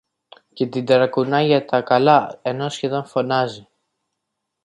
και την ταρακουνάει για τα καλά ενώ σχεδόν φωνάζει